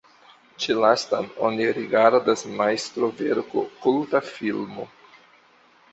Ĉi lastan oni rigardas majstroverko, kulta filmo.